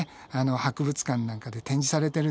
博物館なんかで展示されてるんだよね。